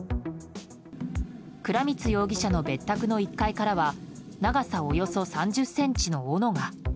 倉光容疑者の別宅の１階からは長さおよそ３０ｃｍのおのが。